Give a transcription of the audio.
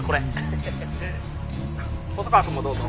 「細川くんもどうぞ」